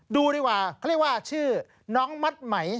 ดูดีกว่าเขาเรียกว่าชื่อน้องมัดไหม